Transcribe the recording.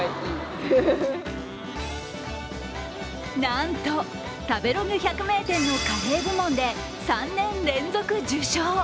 なんと、食べログ百名店のカレー部門で３年連続受賞。